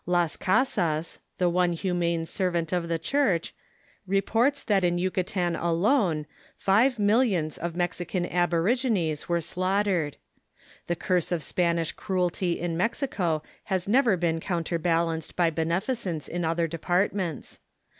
Las Casas, the one humane servant of the Church, reports that in Yucatan alone five millions of Mexican aborigines were slaughtered. The curse of Spanish cruelty in Mexico has nev er been counterbalanced by beneficence in other departments.